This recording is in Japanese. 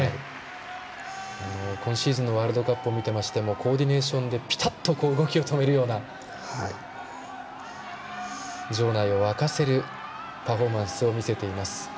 今シーズンのワールドカップを見ていましてもコーディネーションでぴたっと動きを止めるような場内を沸かせるパフォーマンスを見せています。